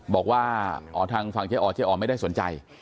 บอกว่าอ๋อทางฝั่งเจ๊อ๋อเจ๊อ๋อไม่ได้สนใจ